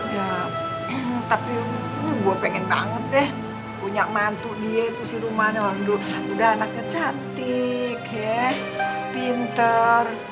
ya tapi gue pengen banget deh punya mantu dia itu si rumahnya udah anaknya cantik ya pinter